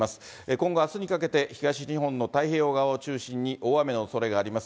今後、あすにかけて、東日本の太平洋側を中心に大雨のおそれがあります。